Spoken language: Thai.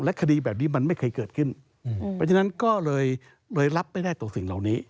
คดีแบบนี้มันไม่เคยเกิดขึ้นเพราะฉะนั้นก็เลยรับไม่ได้ต่อสิ่งเหล่านี้